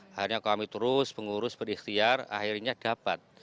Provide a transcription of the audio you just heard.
akhirnya kami terus pengurus berikhtiar akhirnya dapat